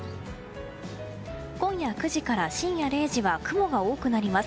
今夜９時から深夜０時は雲が多くなります。